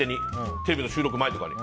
テレビの収録前に。